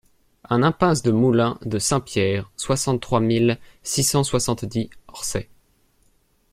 un impasse du Moulin de Saint-Pierre, soixante-trois mille six cent soixante-dix Orcet